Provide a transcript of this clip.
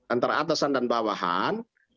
antara atasan dan bawahan